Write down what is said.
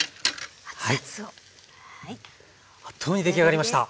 あっという間に出来上がりました。